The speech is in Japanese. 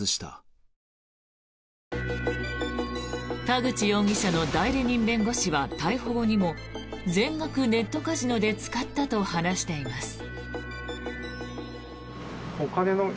田口容疑者の代理人弁護士は逮捕後にも全額ネットカジノで使ったと話しています。